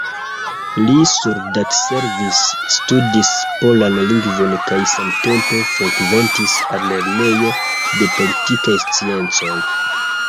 Li soldatservis, studis polan lingvon kaj samtempe frekventis al Lernejo de Politikaj Sciencoj.